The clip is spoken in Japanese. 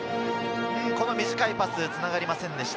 短いパスはつながりませんでした。